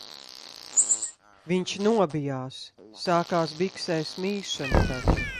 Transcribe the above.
Viņš nobijās, sākās biksēs mīšana taču.